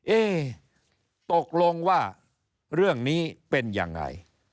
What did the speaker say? เอ๊ะตกลงว่าเรื่องนี้เป็นยังไง